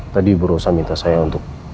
tadi bu rosa minta saya untuk